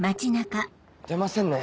出ませんね。